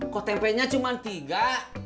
kok tempenya cuma tiga